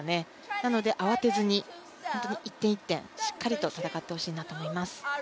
なので、慌てずに本当に１点１点しっかり戦ってほしいと思います。